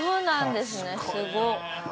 すごっ。